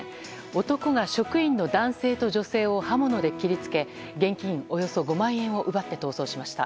男が職員の男性と女性を刃物で切り付け現金のおよそ５万円を奪って逃走しました。